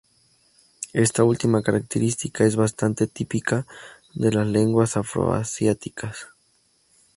Esta última característica es bastante típica de las lenguas afroasiáticas.